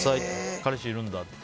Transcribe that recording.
彼氏いるんだって。